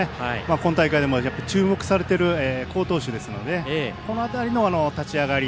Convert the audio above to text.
今大会でも注目されている好投手ですのでこの辺りの立ち上がり。